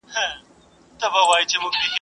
ایا موږ له ډاره ماڼۍ ړنګه کړه؟